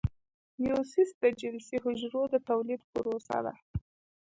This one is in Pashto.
میوسیس د جنسي حجرو د تولید پروسه ده